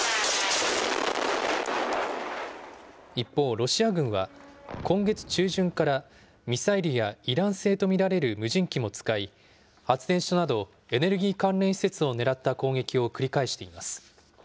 一方、ロシア軍は、今月中旬からミサイルやイラン製とみられる無人機も使い、発電所など、エネルギー関連施設を狙った攻撃を繰り返しています。